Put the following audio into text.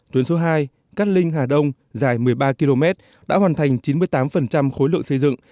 tuyến số hai cát linh hà đông dài một mươi ba km đã hoàn thành chín mươi tám khối lượng xây dựng